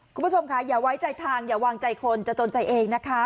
คุณผู้ชมค่ะอย่าไว้ใจทางอย่าวางใจคนจะจนใจเองนะคะ